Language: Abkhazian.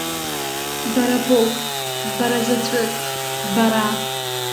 Бара боуп, бара заҵәык, бара!